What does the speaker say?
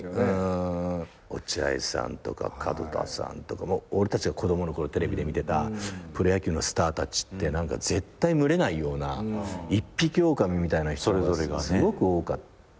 落合さんとか門田さんとか俺たちが子供のころテレビで見てたプロ野球のスターたちって絶対群れないような一匹おおかみみたいな人がすごく多くって。